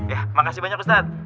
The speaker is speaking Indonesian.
ya makasih banyak ustadz